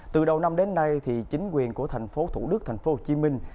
từ đầu năm đến nay thì chính quyền của thành phố thủ đức thành phố hồ chí minh